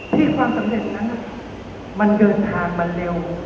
ที่ความสำเร็จนั้นมันเดินทางมาเร็ว